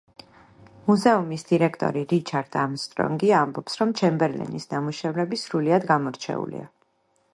მუზეუმის დირექტორი რიჩარდ არმსტრონგი ამბობს, რომ ჩემბერლენის ნამუშევრები სრულიად გამორჩეულია.